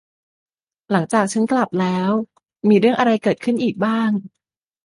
หลังจากฉับกลับแล้ว มีเรื่องอะไรเกิดขึ้นอีกบ้าง